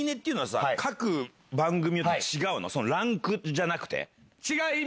ランクじゃなくて。